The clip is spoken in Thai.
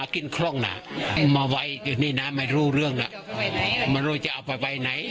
ครับ